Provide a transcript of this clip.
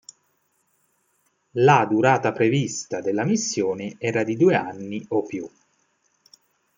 La durata prevista della missione era di due anni o più.